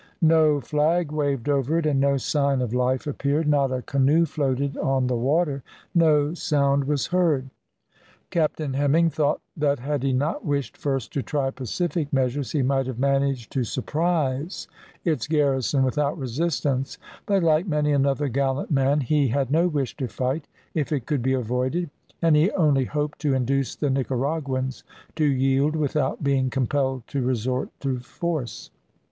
No flag waved over it, and no sign of life appeared, not a canoe floated on the water, no sound was heard. Captain Hemming thought that had he not wished first to try pacific measures, he might have managed to surprise its garrison without resistance, but, like many another gallant man, he had no wish to fight if it could be avoided, and he only hoped to induce the Nicaraguans to yield without being compelled to resort to force.